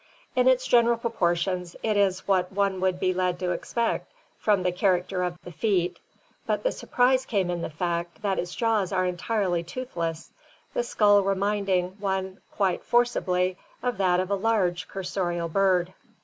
In its general proportions it is what one would be led to expect from the character of the feet, but the surprise came in the fact that its jaws are entirely toothless, the skull reminding one quite forcibly of that of a large cursorial bird.